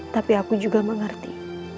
tapi aku juga mengerti